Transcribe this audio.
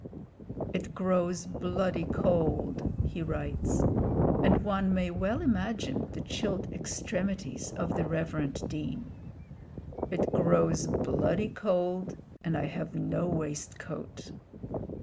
"It grows bloody cold," he writes and one may well imagine the chilled extremities of the reverend Dean "it grows bloody cold, and I have no waistcoat."